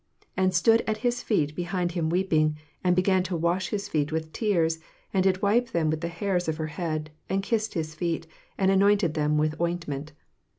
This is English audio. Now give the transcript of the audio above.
] And stood at his feet behind him weeping, and began to wash his feet with tears, and did wipe them with the hairs of her head, and kissed his feet, and anointed them with ointment.